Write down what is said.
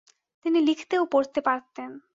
তিনি লিখতে ও পড়তে পারতেন।